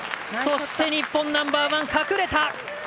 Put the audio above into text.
そして、日本、ナンバーワン隠れた！